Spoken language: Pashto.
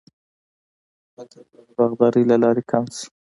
فقر به د باغدارۍ له لارې کم شي.